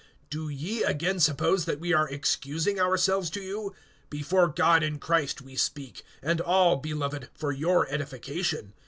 (19)Do ye again suppose that we are excusing ourselves to you[12:19]? Before God in Christ we speak; and all, beloved, for your edification.